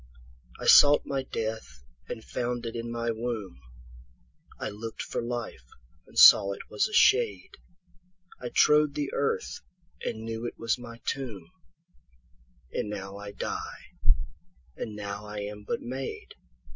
13I sought my death and found it in my womb,14I lookt for life and saw it was a shade,15I trode the earth and knew it was my tomb,16And now I die, and now I am but made.